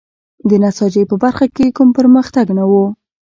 د نساجۍ په برخه کې کوم پرمختګ نه و.